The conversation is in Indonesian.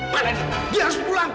mana dia dia harus pulang